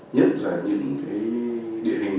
nhất là những địa hình